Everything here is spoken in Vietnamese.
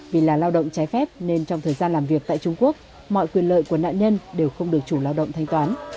vì là lao động trái phép nên trong thời gian làm việc tại trung quốc mọi quyền lợi của nạn nhân đều không được chủ lao động thanh toán